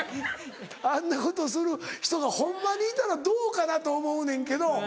あんなことする人がホンマにいたらどうかなと思うねんけど。